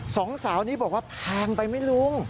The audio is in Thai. สองสาวนี้บอกว่าแพงไปไหมลุง